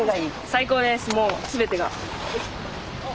最高ですもう全てが。